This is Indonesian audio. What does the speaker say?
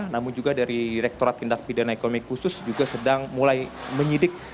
namun juga dari rektorat tindak pidana ekonomi khusus juga sedang mulai menyidik